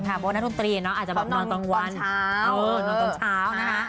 เพราะว่านักดนตรีเนาะอาจจะแบบนอนตอนวันตอนเช้า